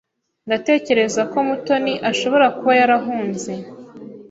Ndatekereza ko Mutoni ashobora kuba yarahunze.